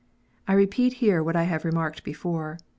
I repeat here what I have remarked before.